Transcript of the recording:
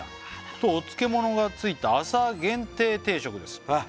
「とお漬物が付いた朝限定定食です」